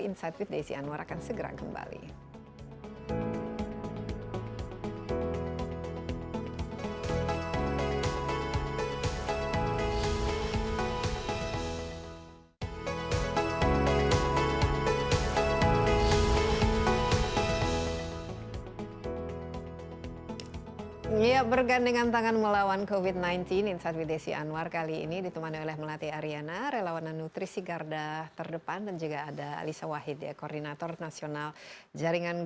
insight with desi anwar akan segera kembali